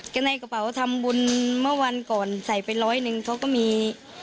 ก็ในกระเป๋าทำบุญเมื่อวันก่อนใส่ไปร้อยหนึ่งเขาก็มี